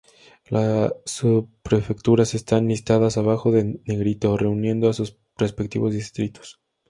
Las subprefecturas están listadas abajo en negrito, reuniendo a sus respectivos distritos.